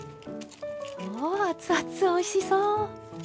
うわ熱々おいしそう！